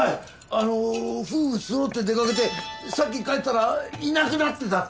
あの夫婦揃って出掛けてさっき帰ったらいなくなってたって。